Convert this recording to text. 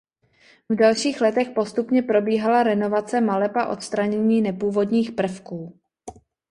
V dalších letech postupně probíhala renovace maleb a odstranění nepůvodních prvků.